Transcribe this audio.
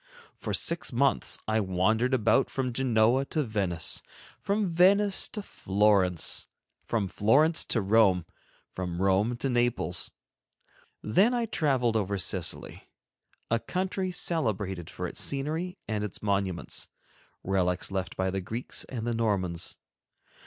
For six months I wandered about from Genoa to Venice, from Venice to Florence, from Florence to Rome, from Rome to Naples. Then I traveled over Sicily, a country celebrated for its scenery and its monuments, relics left by the Greeks and the Normans.